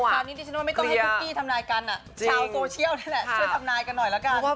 อันนี้ที่ฉันว่าไม่ต้องให้คุกกี้ทำนายกันชาวโซเชียลได้แหละ